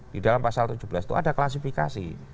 di dalam pasal tujuh belas itu ada klasifikasi